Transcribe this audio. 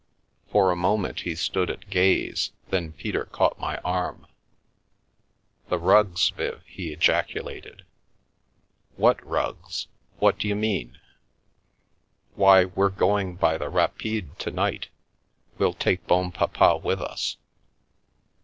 For a moment he stood at gaze, then Peter caught my arm. " The rugs, Viv !" he ejaculated, " What rugs ? What d'you mean ?"" Why, we're going by the rapide to night — we'll take Bonpapa with us.